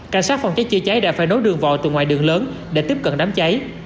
cảnh sát phòng cháy chữa cháy đã phải nối đường vòi từ ngoài đường lớn để tiếp cận đám cháy